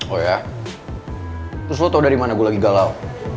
oh ya terus lo tahu dari mana gue lagi galau